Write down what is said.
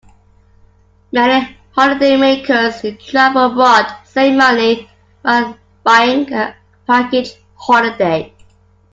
Many holidaymakers who travel abroad save money by buying a package holiday